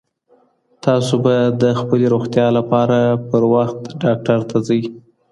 تاسو به د خپلي روغتیا لپاره په وخت ډاکټر ته ځئ.